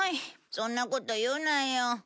そんなこと言うなよ。